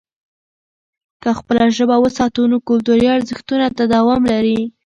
که خپله ژبه وساتو، نو کلتوري ارزښتونه تداوم لري.